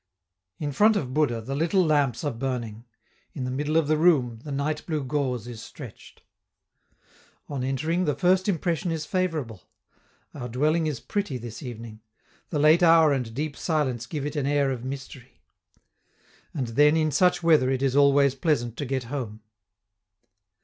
In front of Buddha, the little lamps are burning; in the middle of the room, the night blue gauze is stretched. On entering, the first impression is favorable; our dwelling is pretty this evening; the late hour and deep silence give it an air of mystery. And then, in such weather, it is always pleasant to get home.